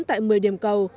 tại một mươi điểm cầu